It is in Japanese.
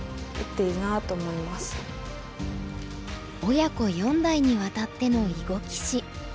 親子四代にわたっての囲碁棋士。